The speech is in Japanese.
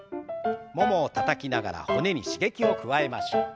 ももをたたきながら骨に刺激を加えましょう。